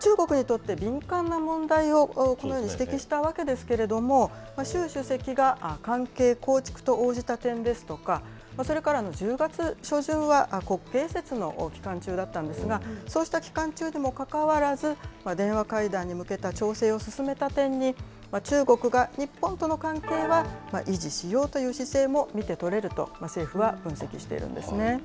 中国にとって敏感な問題を、このように指摘したわけですけれども、習主席が関係構築と応じた点ですとか、それから、１０月初旬は国慶節の期間中だったんですが、そうした期間中にもかかわらず、電話会談に向けた調整を進めた点に、中国が日本との関係は維持しようとする姿勢も見て取れると、政府は分析しているんですね。